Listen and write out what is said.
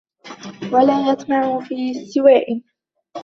وَلَا يَطْمَعُ فِي اسْتِوَاءٍ